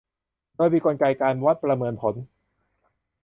โดยมีกลไกการวัดประเมินผล